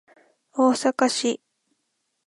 大阪市・舞洲の球団施設